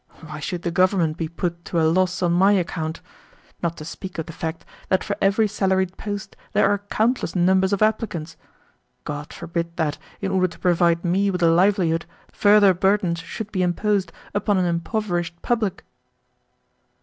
Why should the Government be put to a loss on my account? not to speak of the fact that for every salaried post there are countless numbers of applicants. God forbid that, in order to provide me with a livelihood further burdens should be imposed upon an impoverished public!"